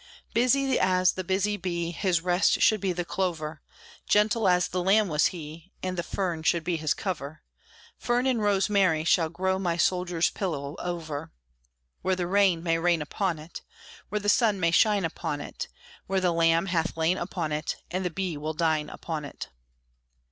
Busy as the busy bee, his rest should be the clover; Gentle as the lamb was he, and the fern should be his cover; Fern and rosemary shall grow my soldier's pillow over: Where the rain may rain upon it, Where the sun may shine upon it, Where the lamb hath lain upon it, And the bee will dine upon it.